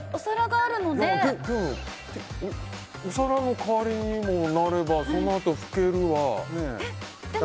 でも、お皿の代わりにもなればそのあと拭けるわ。